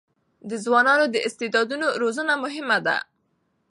د ځوانو استعدادونو روزنه مهمه ده.